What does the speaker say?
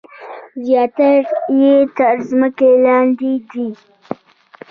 زیاتره یې تر ځمکې لاندې دي.